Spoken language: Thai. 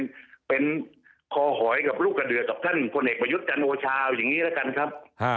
เผื่อจับท่านคนเอกประยุกต์จันทร์โอชาลอย่างนี้แล้วกันครับ